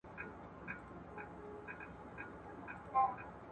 تاسو به له بې ګټي خبرو څخه ډډه کوئ.